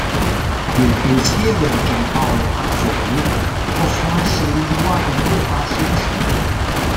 Nel pensiero di Giampaolo Azzoni possono essere individuate due fasi distinte.